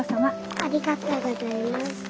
ありがとうございます。